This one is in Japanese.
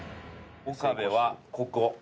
岡部はここ。